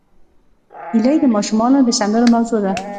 هیلۍ د ماشومانو د سندرو موضوع ده